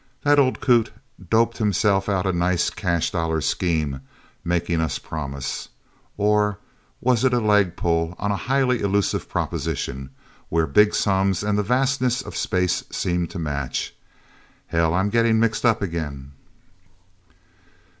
That old coot doped himself out a nice catch dollar scheme, making us promise. Or was it a leg pull on a highly elusive proposition, where big sums and the vastness of space seem to match? Hell I'm getting mixed up again..."